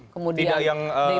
kemudian day by day begitu